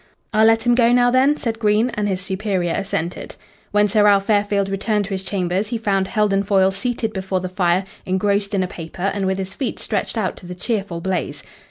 "I'll let him go now, then?" said Green, and his superior assented. When Sir Ralph Fairfield returned to his chambers, he found Heldon Foyle seated before the fire engrossed in a paper and with his feet stretched out to the cheerful blaze.